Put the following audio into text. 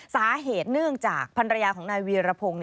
สาเหตุเนื่องจากภรรยาของนายวีรพงศ์